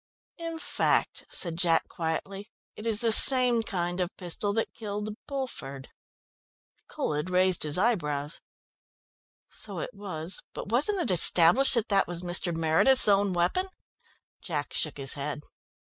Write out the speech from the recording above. "In fact," said Jack quietly, "it is the same kind of pistol that killed Bulford." Colhead raised his eyebrows. "So it was, but wasn't it established that that was Mr. Meredith's own weapon?" Jack shook his head.